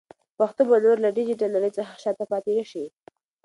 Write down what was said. پښتو به نور له ډیجیټل نړۍ څخه شاته پاتې نشي.